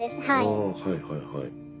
ああはいはいはい。